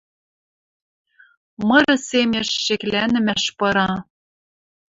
Мыры семеш шеклӓнӹмӓш пыра